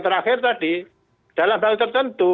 terakhir tadi dalam hal tertentu